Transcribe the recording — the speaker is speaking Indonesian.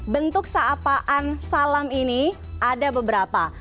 bentuk seapaan salam ini ada beberapa